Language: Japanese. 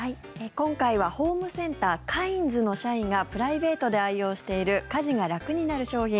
今回はホームセンターカインズの社員がプライベートで愛用している家事が楽になる商品